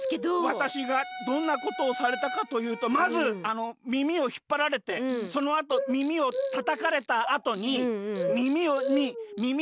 わたしがどんなことをされたかというとまずみみをひっぱられてそのあとみみをたたかれたあとにみみをにみみ。